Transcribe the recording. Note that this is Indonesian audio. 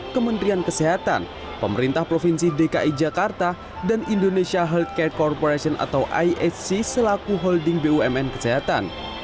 kementerian kesehatan pemerintah provinsi dki jakarta dan indonesia healthcare corporation atau ihc selaku holding bumn kesehatan